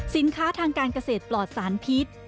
สินค้าทางการเกษตรปลอดสารพิษ